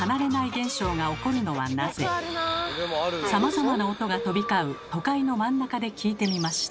さまざまな音が飛び交う都会の真ん中で聞いてみました。